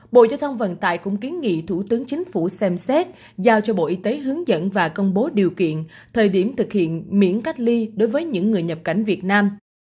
bộ giao thông vận tải cũng kiến nghị thủ tướng chính phủ xem xét giao cho bộ y tế hướng dẫn và công bố điều kiện thời điểm thực hiện miễn cách ly đối với những người nhập cảnh việt nam